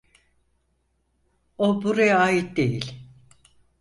O buraya ait değil.